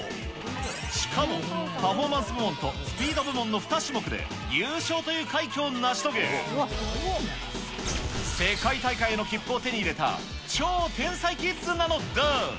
しかもパフォーマンス部門とスピード部門の２種目で優勝という快挙を成し遂げ、世界大会への切符を手に入れた、超天才キッズなのだ。